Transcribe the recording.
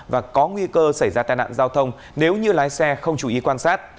và có nguy cơ xảy ra tai nạn giao thông nếu như lái xe không chú ý quan sát